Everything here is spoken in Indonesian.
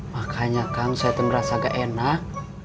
makanya kang saya merasa gak enak